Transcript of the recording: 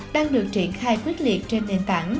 đang được triển khai quyết liệt trên nền tảng